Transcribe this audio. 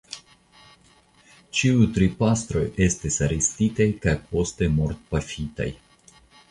Ĉiuj tri pastroj estis arestitaj kaj poste mortpafitaj.